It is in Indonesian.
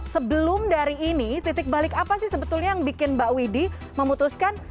sebelum dari ini titik balik apa sih sebetulnya yang bikin mbak widhi memutuskan